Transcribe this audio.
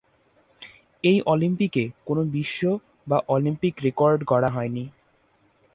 এই অলিম্পিকে কোনো বিশ্ব বা অলিম্পিক রেকর্ড গড়া হয়নি।